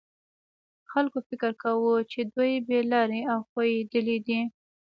خلکو فکر کاوه چې دوی بې لارې او ښویېدلي دي.